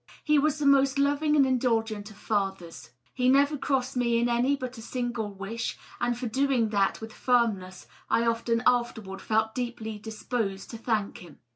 He was the most loving and indulgent of fathers. He never crossed me in any but a single wish, and for doing that with firmness I often afterward felt deeply disposed to thank him.